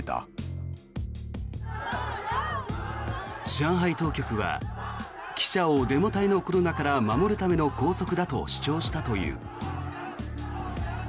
上海当局は記者をデモ隊のコロナから守るための拘束だと主張したという。